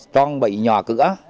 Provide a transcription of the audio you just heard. tròn bậy nhòa cửa